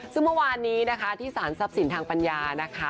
ซึ่งเมื่อวานนี้นะคะที่สารทรัพย์สินทางปัญญานะคะ